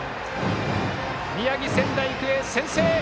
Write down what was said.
宮城、仙台育英、先制！